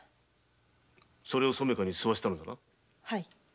それを染香に喫わせたのだな！？